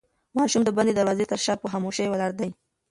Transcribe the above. ماشوم د بندې دروازې تر شا په خاموشۍ ولاړ دی.